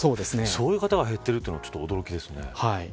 そういう方が減っているというのは驚きですね。